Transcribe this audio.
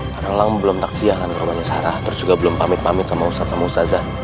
karena lang belum takziah kan rumahnya sarah terus juga belum pamit pamit sama ustadz sama ustazah